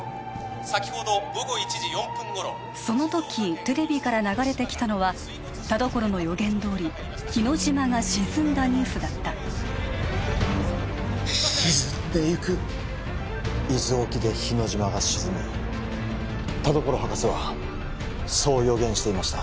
先ほど午後１時４分頃そのときテレビから流れてきたのは田所の予言どおり日之島が沈んだニュースだった沈んでいく伊豆沖で日之島が沈む田所博士はそう予言していました